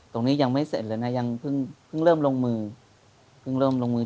ตรงนี้ยังไม่เสร็จเลยนะพึ่งเริ่มลงมือ